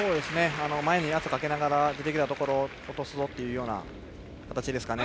前に圧をかけながら出てきたところを落とすぞという形ですかね。